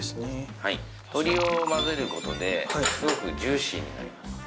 はい鶏を混ぜることですごくジューシーになります